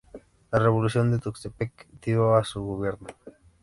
La Revolución de Tuxtepec dio fin a su gobierno.